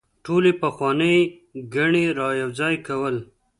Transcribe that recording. ټولې پخوانۍ ګڼې رايوځاي کول